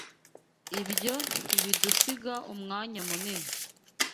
Ibyo ntibidusiga umwanya munini.